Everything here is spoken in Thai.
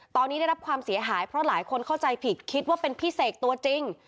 ตอนนี้ได้รับความเสียหายเพราะหลายคนเข้าใจผิดคิดว่าเป็นพี่เสกตัวจริง